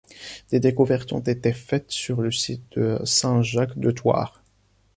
Des découvertes ont été faites sur le site de Saint-Jacques-de-Thouars.